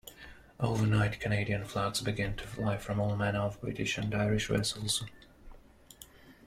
Overnight, Canadian flags began to fly from all manner of British and Irish vessels.